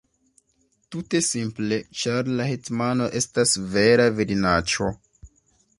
Tute simple, ĉar la hetmano estas vera virinaĉo!